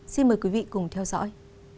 xin mời quý vị cùng theo dõi